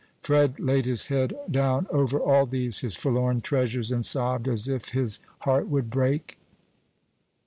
Fred laid his head down over all these, his forlorn treasures, and sobbed as if his heart would break.